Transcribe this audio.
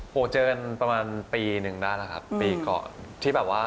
โหเจอกันประมาณปีนึงหน่าครับปีก่อนที่แบบว่า